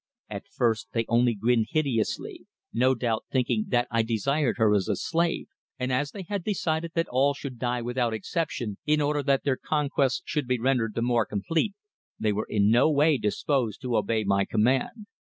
At first they only grinned hideously, no doubt thinking that I desired her as a slave, and as they had decided that all should die without exception, in order that their conquest should be rendered the more complete, they were in no way disposed to obey my command.